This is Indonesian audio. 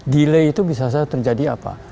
delay itu bisa saja terjadi apa